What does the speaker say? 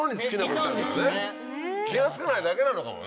気が付かないだけなのかもね。